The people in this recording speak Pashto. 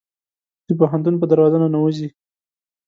د پوهنتون په دروازه ننوزي